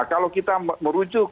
kalau kita merujuk